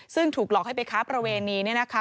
ซึ่งถูกหลอกให้ไปค้าประเวณีเนี่ยนะคะ